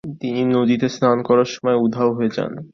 তিনি নদীতে স্নান করার সময় উধাও হয়ে যান।